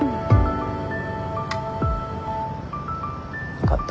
分かった。